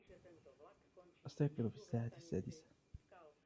أستيقظ في الساعة السادسة.